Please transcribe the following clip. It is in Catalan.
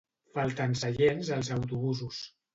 Falten seients als autobusos